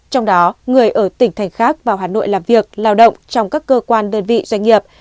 trong đó người ở tỉnh thành khác vào hà nội làm việc lao động trong các cơ quan đơn vị doanh nghiệp